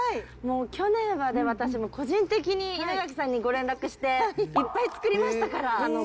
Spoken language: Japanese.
もう去年は私、個人的に稲垣さんにご連絡して、いっぱい作りましたから。